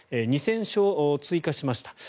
２０００床追加しました。